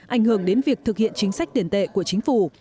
ảnh hưởng đến việc thực hiện chính sách tiền tệ của chính phủ